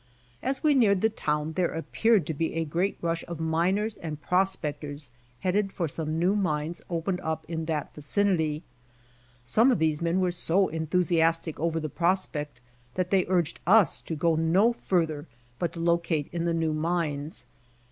As we neared the town there appeared to be a great rush of miners and prospectors headed for some new mines opened np in LEAVING THE HUMBOLDT FOR CARSON VALLEY 121 that vicinity. Some of these men were so enthus iastic over the prospect that they urged us to go no further, but to locate in the new mines.